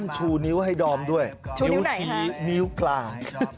ชูนิ้วให้ดอมด้วยนิ้วชี้นิ้วกลาง